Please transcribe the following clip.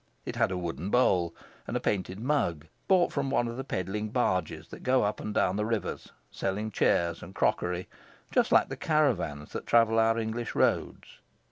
It had a wooden bowl and a painted mug, bought from one of the peddling barges that go up and down the rivers selling chairs and crockery, just like the caravans that travel our English roads.